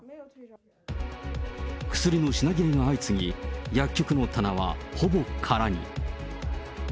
薬の品切れが相次ぎ、薬局の棚はほぼ空に。